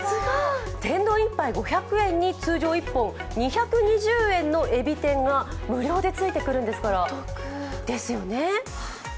天丼１杯５００円に、通常１本２２０円のえび天が無料でついてくるんですから、お得ですよね。